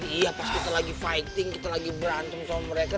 iya pas kita lagi fighting kita lagi berantem sama mereka